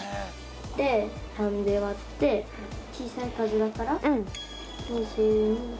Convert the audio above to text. で、３で割って小さい数だから、２２。